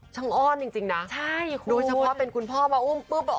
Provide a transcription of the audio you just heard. ช่างอ้อนจริงจริงน่ะใช่โอ้โหโดยเฉพาะเป็นคุณพ่อมาอุ้มปุ๊บ